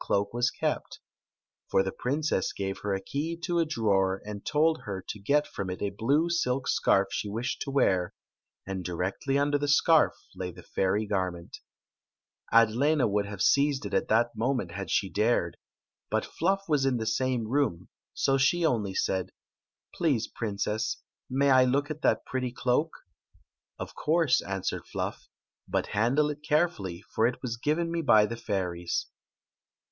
cloak was kept. For the princess gave her a key to a drawer and told her to get from it a blue silk scarf she wished to wear, and direcdy under die scarf lay the fiury garment Adlena would have seized it at that moment had she dared ; but Fluff was in the same room, so she only said :" Please, princes? nay I look at diat pretty cloak ?"" Of coiirse," answered Fluff; «but handle it care fully, for it was ^ Ven me by the fairies."